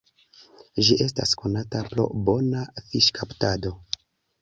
Ĝi estas konata pro bona fiŝkaptado.